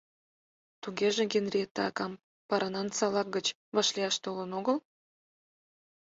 “Тугеже, Генриетта акам Паранан-Салак гыч вашлияш толын огыл?”